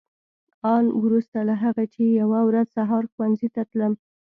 آن وروسته له هغه چې یوه ورځ سهار ښوونځي ته تلم.